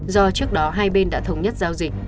do trước đó hai bên đã thống nhất giao dịch